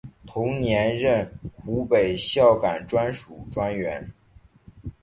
同年任湖北孝感专署专员。